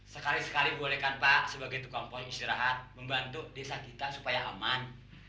sekali sekali boleh kan pak sebagai tukang poin istirahat membantu desa kita supaya aman